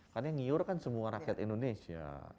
karena yang ngiyur kan semua rakyat indonesia